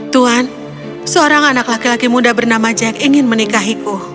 tuan seorang anak laki laki muda bernama jack ingin menikahiku